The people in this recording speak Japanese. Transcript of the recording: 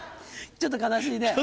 ちょっと悲しい。